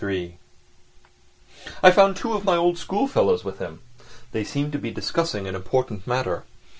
III I found two of my old schoolfellows with him. They seemed to be discussing an important matter.